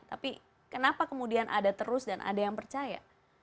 tapi kenapa kemudian ada terus dan ada yang percaya